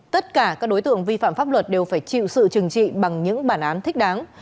tất cả các đối tượng vi phạm pháp luật đều phải chịu sự trừng trị bằng những bản án thích đáng